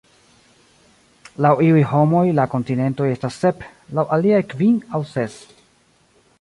Laŭ iuj homoj la kontinentoj estas sep, laŭ aliaj kvin aŭ ses.